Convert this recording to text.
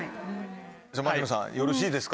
さぁ槙野さんよろしいですか？